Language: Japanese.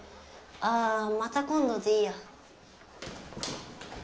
あまた今度でいいや。